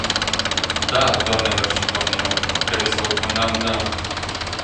Da, doamnelor și domnilor, trebuie să o condamnăm!